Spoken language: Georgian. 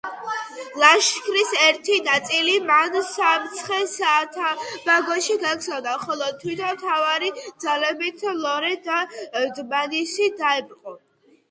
ლაშქრის ერთი ნაწილი მან სამცხე-საათაბაგოში გაგზავნა, ხოლო თვითონ მთავარი ძალებით ლორე და დმანისი დაიპყრო.